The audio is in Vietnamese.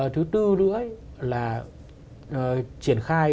thứ tư nữa là triển khai